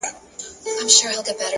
هره تجربه د ژوند نوې پوهه راوړي,